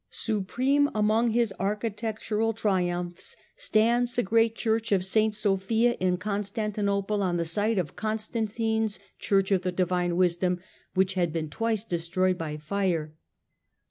Supreme among his architectural triumphs stands the great JUSTINIAN 59 Church of St. Sophia in Constantinople, on the site of onstantine's Church of the Divine Wisdom, which aad been twice destroyed by fire.